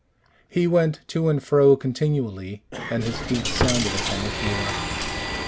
He went to and fro continually, and his feet sounded upon the floor.